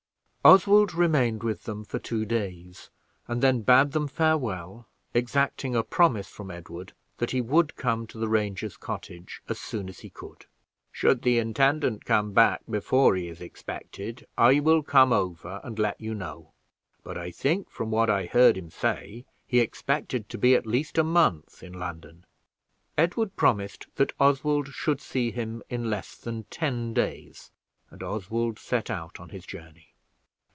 Oswald remained with them for two days, and then bade them farewell, exacting a promise from Edward that he would come to the ranger's cottage as soon as he could. "Should the intendant come back before he is expected I will come over and let you know; but I think, from what I heard him say he expected to be at least a month in London." Edward promised that Oswald should see him in less than ten days, and Oswald set out on his journey.